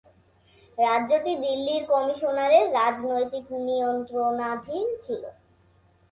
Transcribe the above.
রাজ্যটি দিল্লির কমিশনারের রাজনৈতিক নিয়ন্ত্রণাধীন ছিল।